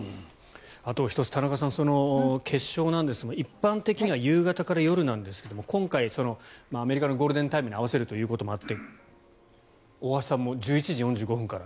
あと１つ、田中さん決勝なんですが一般的には夕方から夜なんですけど今回、アメリカのゴールデンタイムに合わせるということもあって大橋さんも１１時４５分から。